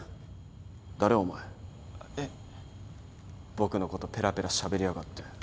僕のことぺらぺらしゃべりやがって。